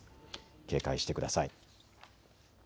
警戒してください。